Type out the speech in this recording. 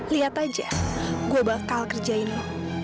lihat aja gue bakal kerjainnya